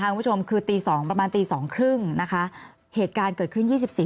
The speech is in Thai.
คุณผู้ชมคือตีสองประมาณตีสองครึ่งนะคะเหตุการณ์เกิดขึ้นยี่สิบสี่